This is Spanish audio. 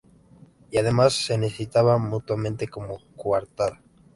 Y además se necesitaban mutuamente como coartada.